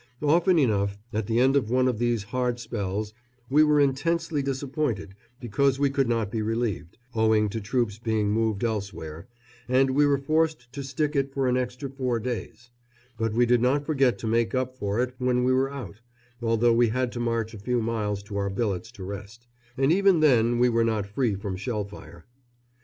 Often enough, at the end of one of these hard spells, we were intensely disappointed because we could not be relieved, owing to troops being moved elsewhere, and we were forced to stick it for an extra four days; but we did not forget to make up for it when we were out, although we had to march a few miles to our billets to rest, and even then we were not free from shell fire.